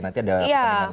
nanti ada pertandingan lagi